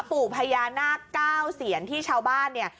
ปู่พญานาคเก้าเซียนที่ชาวบ้านเนี่ย